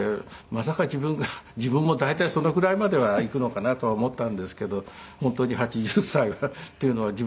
まさか自分が自分も大体そのぐらいまではいくのかなとは思ったんですけど本当に８０歳っていうのは。